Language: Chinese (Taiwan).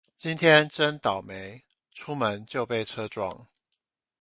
今天真倒楣，出門就被車撞